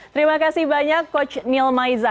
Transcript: terima kasih banyak coach neil maiza